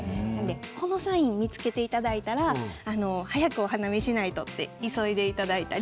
このサインを見つけていただいたら早くお花見をしないとと急いでいただいたり